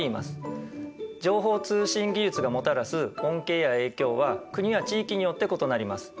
情報通信技術がもたらす恩恵や影響は国や地域によって異なります。